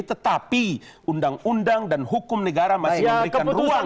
tetapi undang undang dan hukum negara masih memberikan ruang